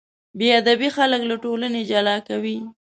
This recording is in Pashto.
بېادبي خلک له ټولنې جلا کوي.